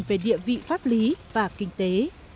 về địa vị pháp lý và kinh tế